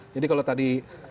jadi kalau tadi